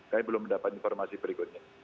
kami belum mendapat informasi berikutnya